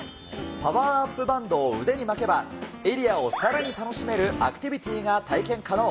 パワーアップバンドを腕に巻けば、エリアをさらに楽しめるアクティビティーが体験可能。